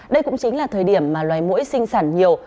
đây cũng chính là thời điểm mà loài mũi sinh sản nhiều